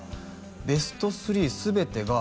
「ベスト３全てが」